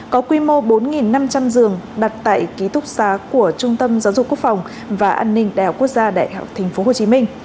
có quy mô bốn năm trăm linh giường đặt tại ký túc xá của trung tâm giáo dục quốc phòng và an ninh đại học quốc gia đại học tp hcm